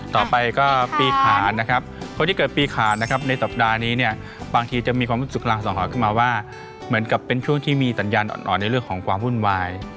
ต่อไปก็ปีขานนะครับคนที่เกิดปีขาดนะครับในสัปดาห์นี้เนี่ยบางทีจะมีความรู้สึกรางสังหรณ์ขึ้นมาว่าเหมือนกับเป็นช่วงที่มีสัญญาณอ่อนในเรื่องของความวุ่นวาย